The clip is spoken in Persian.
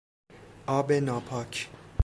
آب ناپاک